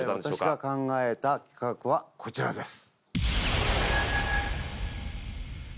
私が考えた企画はこちらです